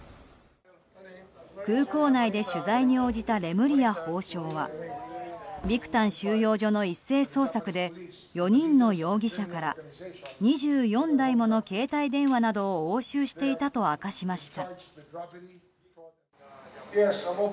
空港内で取材に応じたレムリヤ法相はビクタン収容所の一斉捜索で４人の容疑者から２４台もの携帯電話などを押収していたと明かしました。